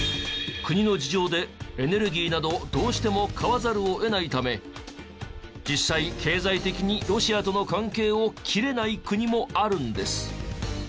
国の事情でエネルギーなどどうしても買わざるを得ないため実際経済的にロシアとの関係を切れない国もあるんです。